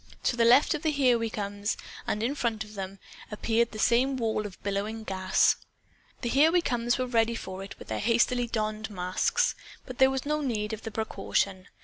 To the left of the Here We Comes, and then in front of them, appeared the same wall of billowing gas. The Here We Comes were ready for it with their hastily donned masks. But there was no need of the precaution.